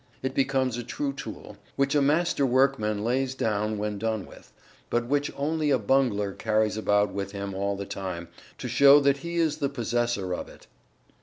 It becomes a true tool, which a master workman lays down when done with, but which only a bungler carries about with him all the time to show that he is the possessor of it."